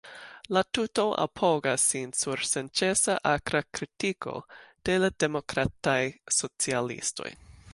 La tuto apogas sin sur senĉesa akra kritiko de l‘ demokrataj socialistoj.